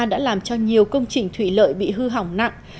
đã làm cho nhiều công trình thủy lợi bị hư hỏng nặng